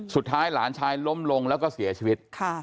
สุดท้ายหลานชายล้มลงแล้วก็เสียชีวิต